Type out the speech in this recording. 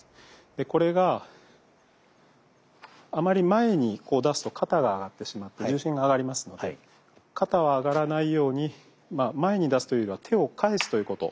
でこれがあまり前にこう出すと肩が上がってしまって重心が上がりますので肩は上がらないように前に出すというよりは手を返すということ。